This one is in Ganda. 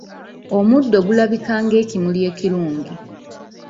Omuddo gulabika ng'ekimuli ekirungi.